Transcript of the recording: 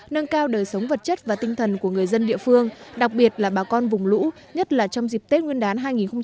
nâng cao đời sống vật chất và tinh thần của người dân địa phương đặc biệt là bà con vùng lũ nhất là trong dịp tết nguyên đán hai nghìn hai mươi